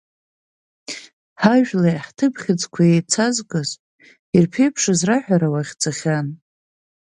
Ҳажәлеи ҳҭыԥхьыӡқәеи еицазкыз, ирԥеиԥшыз раҳәара уахьӡахьан.